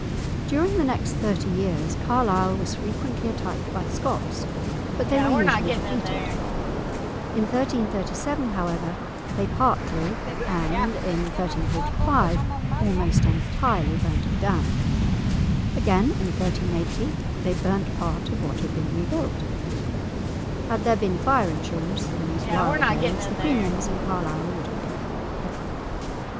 During the next thirty years Carlisle was frequently attacked by the Scots, but they were usually defeated. In 1337, however, they partly, and in 1345 almost entirely burnt it down. Again in 1380 they burnt part of what had been rebuilt! Had there been fire insurance in these wild days, the premiums in Carlisle would have been heavy!